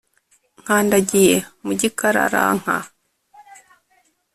Nkandagiye mu gikararanka